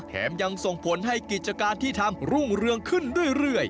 ยังส่งผลให้กิจการที่ทำรุ่งเรืองขึ้นเรื่อย